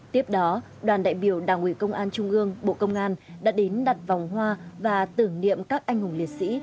tiếp đó đoàn đại biểu đảng ủy công an trung ương bộ công an đã đến đặt vòng hoa và tưởng niệm các anh hùng liệt sĩ